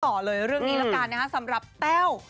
ต่อเลยเรื่องนี้แล้วกันนะฮะสำหรับแต้ว